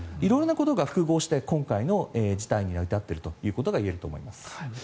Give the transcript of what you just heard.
色々なことが複合して今回の事態に至っているというのが言えると思います。